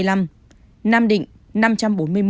nam định năm trăm bốn mươi một